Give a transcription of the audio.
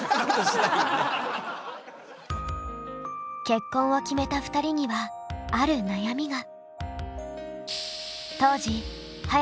結婚を決めた２人にはある悩みが。